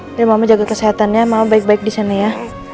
mama jaga kesehatannya mama baik baik di sini ya